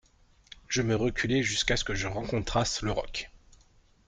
Je me reculai jusqu'à ce que je rencontrasse le roc.